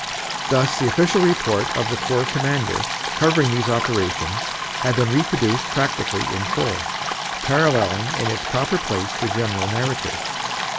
Thus the Official Report of the Corps Commander covering these operations has been reproduced practically in full, paralleling in its proper place the general narrative.